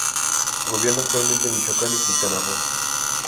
Gobierna actualmente en Michoacán y Quintana Roo.